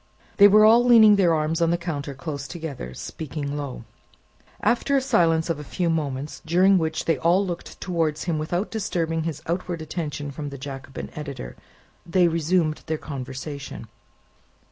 They were all leaning their arms on the counter close together, speaking low. After a silence of a few moments, during which they all looked towards him without disturbing his outward attention from the Jacobin editor, they resumed their conversation.